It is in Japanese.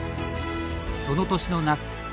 その年の夏